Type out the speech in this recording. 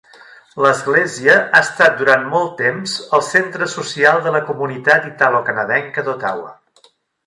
L'església ha estat durant molt temps el centre social de la comunitat italocanadenca d'Ottawa.